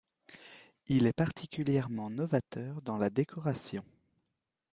Il est particulièrement novateur dans la décoration.